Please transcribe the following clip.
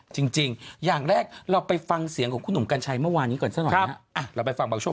จริงอย่างแรกเราไปฟังเสียงของคุณหนุ่มกัญชัยเมื่อวานนี้ก่อนซะหน่อยนะครับ